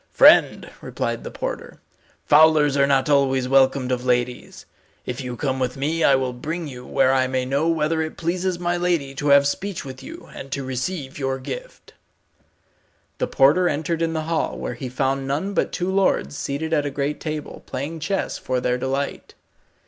"Friend," replied the porter, "fowlers are not always welcomed of ladies. If you come with me I will bring you where I may know whether it pleases my lady to have speech with you and to receive your gift." The porter entered in the hall, where he found none but two lords seated at a great table, playing chess for their delight.